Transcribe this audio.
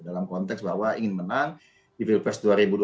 dalam konteks bahwa ingin menang di pilpres dua ribu dua puluh